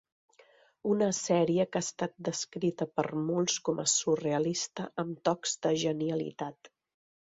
Una sèrie que ha estat descrita per molts com a "surrealista amb tocs de genialitat".